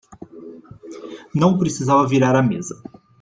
Não precisava virar a mesa